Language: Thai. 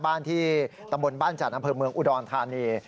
บ้านที่ตำรวจบ้านจากนักธุรกิจเมืองอุดรธานี